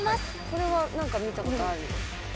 これは何か見たことあるよ。